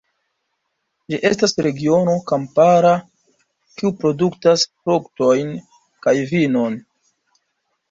Ĝi estas regiono kampara, kiu produktas fruktojn kaj vinon.